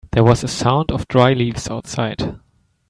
There was a sound of dry leaves outside.